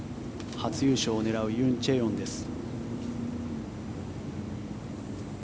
初優勝を狙うユン・チェヨンです。